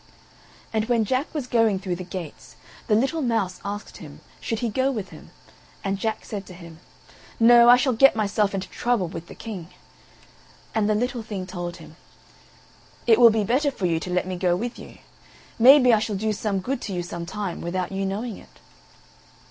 And when Jack was going through the gates, the little mouse asked him, should he go with him; and Jack said to him: "No, I shall get myself into trouble with the King." And the little thing told him: "It will be better for you to let me go with you; maybe I shall do some good to you some time without you knowing it."